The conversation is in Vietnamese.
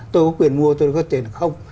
tôi có quyền mua tôi có tiền không